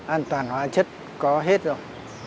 an toàn hóa chất có hết rồi